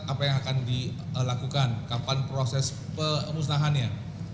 apa yang akan dilakukan kapan proses pemusnahannya